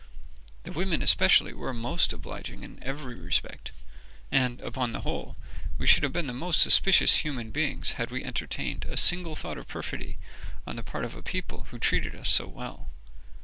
The women especially were most obliging in every respect, and, upon the whole, we should have been the most suspicious of human beings had we entertained a single thought of perfidy on the part of a people who treated us so well.